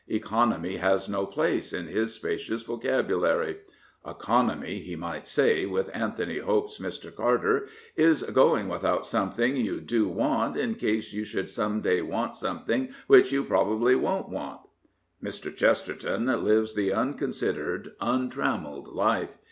Economy has no place in his spacious vocabulary. " Economy,*' he might say, with Anthony Hope's Mr. Carter, " is going without something you do want in case you should some day want something which you probably won't want." Mr. Chesterton lives the unconsidered, untrammelled life.